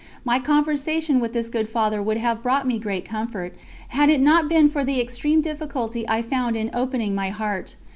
My conversation with this good Father would have brought me great comfort, had it not been for the extreme difficulty I found in opening my heart.